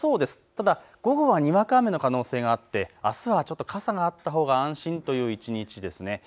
ただ午後はにわか雨の可能性もあって、あすは傘があったほうが安心という一日です。